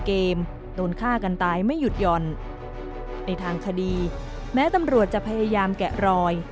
เกมโดนฆ่ากันตายไม่หยุดหย่อนในทางคดีแม้ตำรวจจะพยายามแกะรอย